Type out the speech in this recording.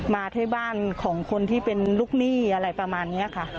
มาที่บ้านของคนที่เป็นลูกหนี้อะไรประมาณนี้ค่ะ